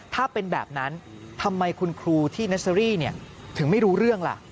ถ้าเป็นแบบนั้นทำไมคุณครูที่เนสเตอรี่ถึงไม่รู้เรื่องล่ะ